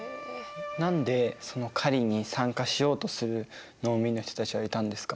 何でその狩りに参加しようとする農民の人たちがいたんですか？